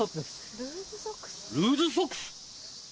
ルーズソックス！